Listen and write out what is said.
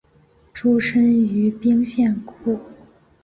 出身于兵库县。